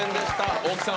大木さん